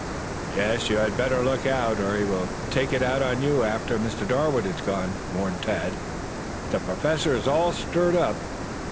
"Yes, you had better look out or he will take it out of you after Mr. Darwood has gone," warned Tad. "The Professor is all stirred up."